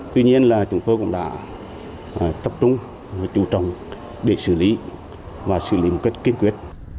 tuy nhiên là chúng tôi cũng đã tập trung và chú trọng để xử lý và xử lý một cách kiên quyết